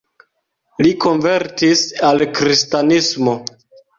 Li konvertis al kristanismo.